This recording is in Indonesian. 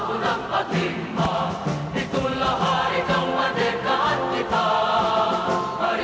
oleh singgih sanjaya